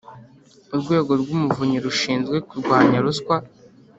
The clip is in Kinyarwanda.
Urwego rw Umuvunyi rushinzwe kurwanya ruswa